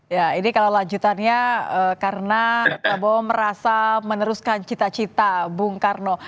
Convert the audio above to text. ya ini kalau lanjutannya karena prabowo merasa meneruskan cita cita bung karno